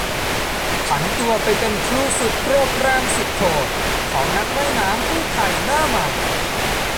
ผันตัวไปเป็นครูฝึกโปรแกรมสุดโหดของนักว่ายน้ำกู้ภัยหน้าใหม่